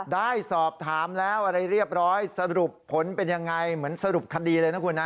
ได้สอบถามแล้วอะไรเรียบร้อยสรุปผลเป็นยังไงเหมือนสรุปคดีเลยนะคุณนะ